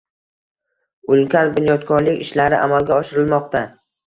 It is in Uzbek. Ulkan bunyodkorlik ishlari amalga oshirilmoqda